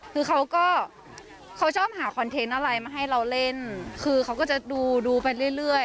คือเขาก็เขาชอบหาคอนเทนต์อะไรมาให้เราเล่นคือเขาก็จะดูดูไปเรื่อยเรื่อย